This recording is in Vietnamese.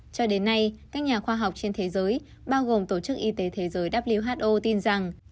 cho đến nay các nhà khoa học trên thế giới bao gồm tổ chức y tế thế giới who tin rằng